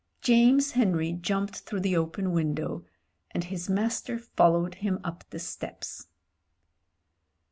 James Henry jumped through the open window, and his master followed him up the steps.